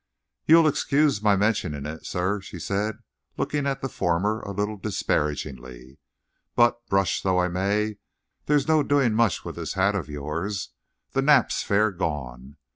"You'll excuse my mentioning it, sir," she said, looking at the former a little disparagingly, "but, brush though I may, there's no doing much with this hat of yours. The nap's fair gone.